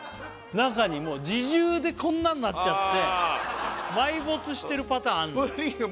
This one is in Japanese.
中にもう自重でこんなんなっちゃって埋没してるパターンあんのよ